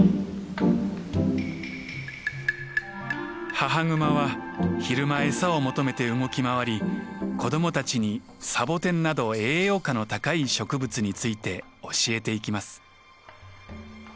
母グマは昼間餌を求めて動き回り子どもたちにサボテンなど栄養価の高い植物について教えていきます。